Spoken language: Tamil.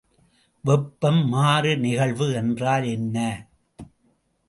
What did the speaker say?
வெப்பம் மாறு நிகழ்வு என்றால் என்ன?